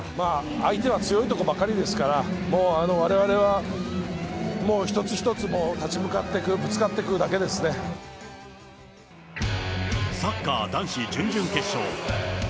相手は強いところばかりですから、もうわれわれはもう一つ一つ、立ち向かっていく、サッカー男子準々決勝。